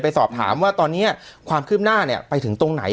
สอบถามว่าตอนนี้ความคืบหน้าเนี่ยไปถึงตรงไหน